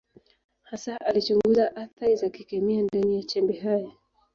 Hasa alichunguza athari za kikemia ndani ya chembe hai.